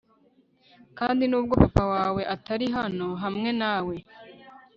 kandi nubwo papa wawe atari hano hamwe nawe